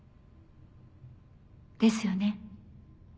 ですよね。